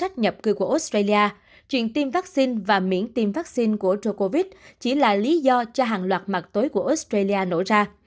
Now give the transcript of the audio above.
chuyện tiêm vaccine và miễn tiêm vaccine của jokovic chỉ là lý do cho hàng loạt mặt tối của australia nổ ra